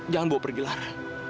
jangan bawa pergi lara